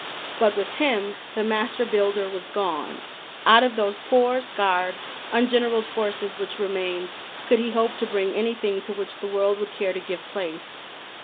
But with him the master builder was gone. Out of those poor, scarred, ungeneraled forces which remained, could he hope to bring anything to which the world would care to give place?